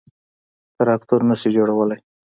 _تراکتور نه شي جوړولای.